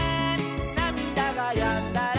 「なみだがやんだら」